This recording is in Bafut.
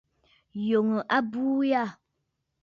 Yòŋə abuu yâ.